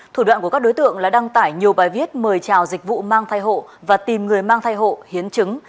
thủ đoạn của các đối tượng là đăng tải nhiều bài viết mời chào dịch vụ mang thai hộ và tìm người mang thai hộ hiến chứng